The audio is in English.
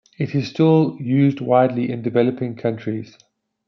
It is still used widely in developing countries.